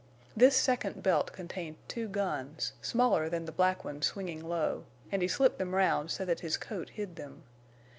This second belt contained two guns, smaller than the black ones swinging low, and he slipped them round so that his coat hid them.